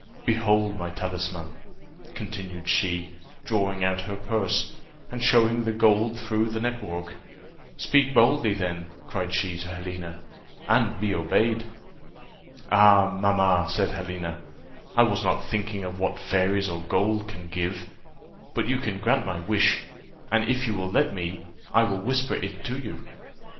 Behold my talisman," continued she, drawing out her purse, and showing the gold through the net work. "Speak boldly, then," cried she to Helena, "and be obeyed." "Ah, mamma," said Helena, "I was not thinking of what fairies or gold can give; but you can grant my wish, and if you will let me, I will whisper it to you."